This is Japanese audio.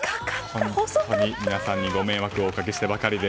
皆さんにご迷惑をおかけしてばかりで。